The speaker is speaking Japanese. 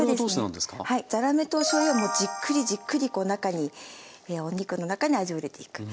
はいざらめとおしょうゆはもうじっくりじっくりお肉の中に味を入れていく。